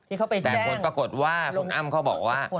ที่เขาไปแจ้งลง๖คนเหรอแต่คนปรากฏว่าคุณอ้ำเขาบอกว่า